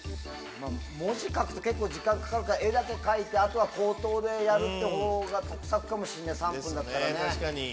文字書くと結構時間かかるから絵だけ描いてあとは口頭でやるってほうが得策かもしれない３分だったら。